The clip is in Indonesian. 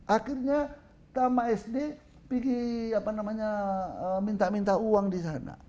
akhirnya pertama sd pergi minta minta uang di sana